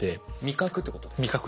味覚ってことですか？